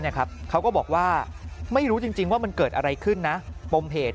เขาก็บอกว่าไม่รู้จริงว่ามันเกิดอะไรขึ้นนะปมเหตุ